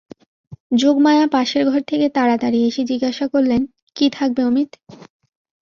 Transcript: যোগমায়া পাশের ঘর থেকে তাড়াতাড়ি এসে জিজ্ঞাসা করলেন, কী থাকবে অমিত।